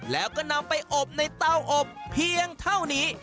แล้วก็นำไปอบในเต้าอบเพียงเท่านี้